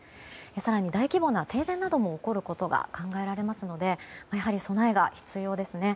更に、大規模な停電なども起こることが考えられますので備えが必要ですね。